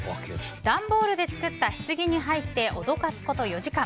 段ボールで作ったひつぎに入って脅かすこと４時間。